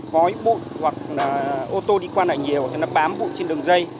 khói bụi hoặc là ô tô đi qua lại nhiều thì nó bám bụi trên đường dây